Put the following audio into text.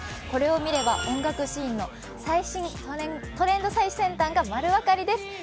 これを見れば、音楽シーンのトレンド最先端がまる分かりです。